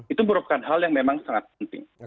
itu merupakan hal yang memang sangat penting